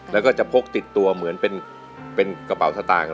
แล้วก็จะพกติดตัวเหมือนเป็นกระเป๋าสตางค์